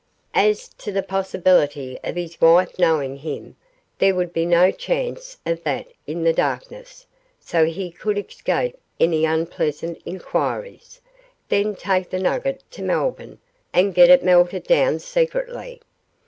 As to the possibility of his wife knowing him, there would be no chance of that in the darkness, so he could escape any unpleasant inquiries, then take the nugget to Melbourne and get it melted down secretly.